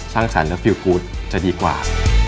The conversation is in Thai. สร้างสรรค์และฟิลกูธจะดีกว่า